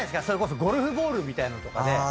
それこそゴルフボールみたいのとかで。